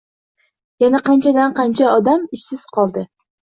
Yana qanchadan-qancha odam ishsiz qoldi.